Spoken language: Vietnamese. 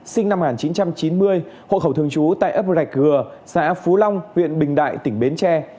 sinh năm một nghìn chín trăm chín mươi hộ khẩu thường trú tại ấp rạch hừa xã phú long huyện bình đại tỉnh bến tre